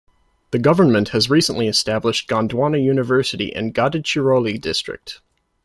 The government has recently established Gondwana University in Gadhchiroli district.